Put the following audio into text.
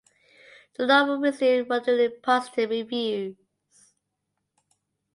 The novel received moderately positive reviews.